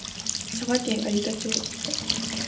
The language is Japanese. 佐賀県有田町